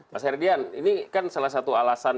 mas herdian ini kan salah satu alasan